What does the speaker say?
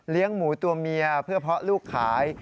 หมูตัวเมียเพื่อเพาะลูกขาย